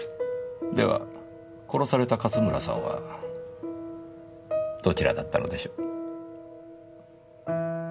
では殺された勝村さんはどちらだったのでしょう？